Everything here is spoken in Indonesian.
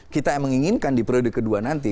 kita yang menginginkan di periode kedua nanti